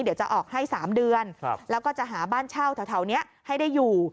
เดี๋ยวจะออกให้๓เดือนแล้วก็จะหาบ้านเช่าแถวนี้ให้ได้อยู่